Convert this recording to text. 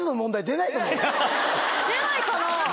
出ないかな？